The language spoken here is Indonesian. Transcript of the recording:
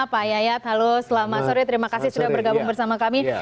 pak yayat halo selamat sore terima kasih sudah bergabung bersama kami